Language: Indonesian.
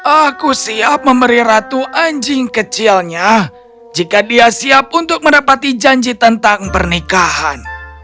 aku siap memberi ratu anjing kecilnya jika dia siap untuk mendapati janji tentang pernikahan